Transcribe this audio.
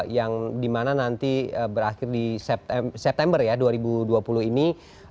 yang dimana nanti berakhir di september ya dua ribu dua puluh ini